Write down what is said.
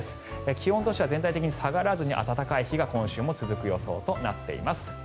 気温としては全体的に下がらずに暖かい日が今週も続く予想となっています。